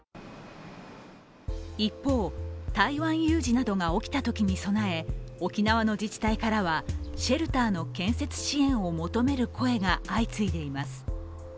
一方、台湾有事などが起きたときに備え沖縄の自治体からはシェルターの建設支援を求める声が相次いでいます。